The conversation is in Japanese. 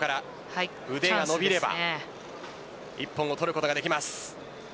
腕が伸びれば一本を取ることができます。